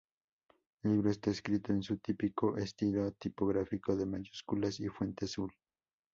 El libro está escrito en su típico estilo tipográfico de mayúsculas y fuente azul.